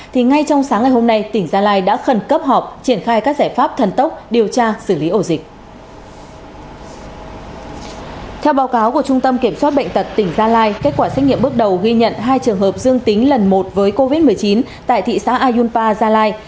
theo báo cáo của trung tâm kiểm soát bệnh tật tỉnh gia lai kết quả xét nghiệm bước đầu ghi nhận hai trường hợp dương tính lần một với covid một mươi chín tại thị xã ayunpa gia lai